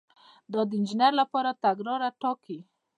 دا د انجینر لپاره تګلاره ټاکي.